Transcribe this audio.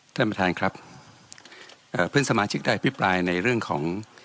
ท่านประธานครับเอ่อเพื่อนสมาชิกได้อภิปรายในเรื่องของ